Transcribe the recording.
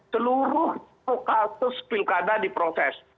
seluruh kasus pilkada diproses